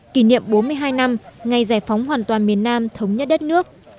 kỷ niệm bốn mươi hai năm ngày giải phóng hoàn toàn miền nam thống nhất đất nước